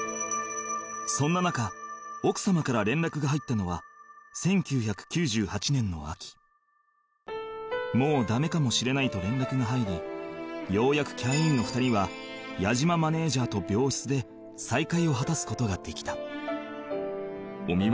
そんな中奥様から連絡が入ったのは「もうダメかもしれない」と連絡が入りようやくキャインの２人は矢島マネジャーと病室で再会を果たす事ができた